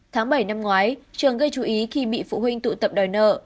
tháng bảy năm ngoái trường gây chú ý khi bị phụ huynh tụ tập đòi nợ